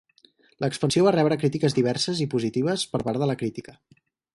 L'expansió va rebre crítiques diverses i positives per part de la crítica.